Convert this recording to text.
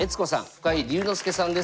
深井龍之介さんです。